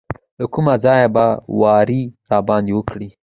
له کومه ځایه به واری راباندې وکړي.